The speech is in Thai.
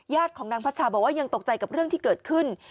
ของนางพัชชาบอกว่ายังตกใจกับเรื่องที่เกิดขึ้น